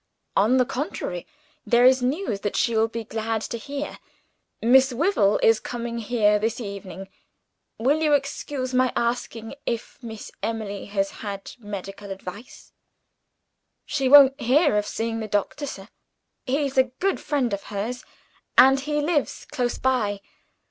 "On the contrary, there is news that she will be glad to hear Miss Wyvil is coming here this evening. Will you excuse my asking if Miss Emily has had medical advice?" "She won't hear of seeing the doctor, sir. He's a good friend of hers and he lives close by.